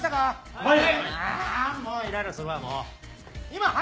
はい！